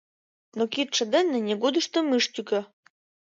Но кидше дене нигудыштым ыш тӱкӧ.